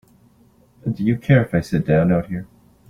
Do you care if I sit down out here?